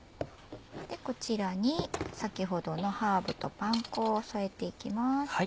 こちらに先ほどのハーブとパン粉を添えていきます。